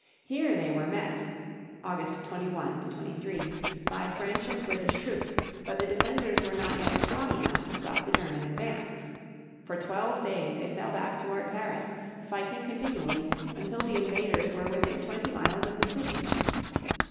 Here they were met (August 21 23) by French and British troops; but the defenders were not yet strong enough to stop the German advance. For twelve days they fell back toward Paris, fighting continually, until the invaders were within twenty miles of the city.